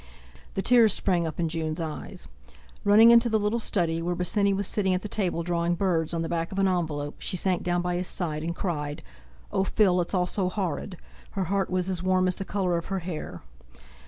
The tears sprang up in Jun's eyes; running into the little study, where Bosinney was sitting at the table drawing birds on the back of an envelope, she sank down by his side and cried: "Oh, Phil! it's all so horrid!" Her heart was as warm as the colour of her hair.